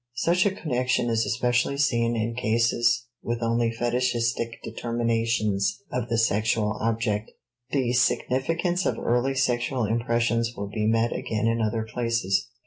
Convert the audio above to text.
Such a connection is especially seen in cases with only fetichistic determinations of the sexual object. The significance of early sexual impressions will be met again in other places.